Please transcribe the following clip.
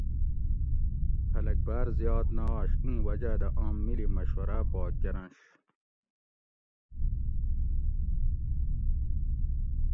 خلک باۤر زیات نہ آش ایں وجاۤ دہ آم مِلی مشوراۤ پا کۤرنش